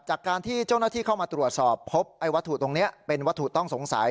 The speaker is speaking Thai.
จากการที่เจ้าหน้าที่เข้ามาตรวจสอบพบไอ้วัตถุตรงนี้เป็นวัตถุต้องสงสัย